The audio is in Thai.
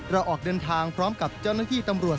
ออกเดินทางพร้อมกับเจ้าหน้าที่ตำรวจ